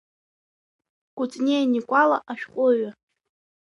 Кәыҵниа Никәала ашәҟәыҩҩы.